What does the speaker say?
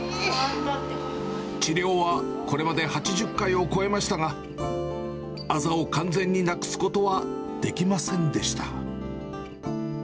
治療はこれまで８０回を超えましたが、あざを完全になくすことはできませんでした。